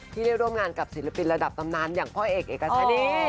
ที่ได้ร่วมงานกับศิลปินระดับตำนานอย่างพ่อเอกเอกชะนี